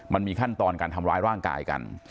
มันมีขั้นตอนการทำร้ายร่างกายกัน